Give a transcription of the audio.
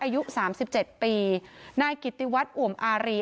อายุสามสิบเจ็ดปีนายกิตย์วัดอุ๋มอารี